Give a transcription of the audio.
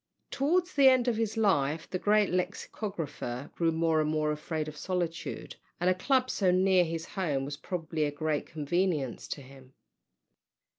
Towards the end of his life the great lexicographer grew more and more afraid of solitude, and a club so near his home was probably a great convenience to him.